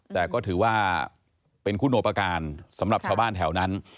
แต่ก็ถือว่าเป็นคุณโอปการณ์สำหรับชาวบ้านแถวนั้น